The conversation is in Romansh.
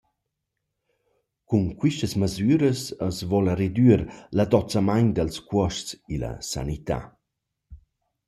Cun quistas masüras as voul redüer l’adozamaint dals cuosts illa sanità.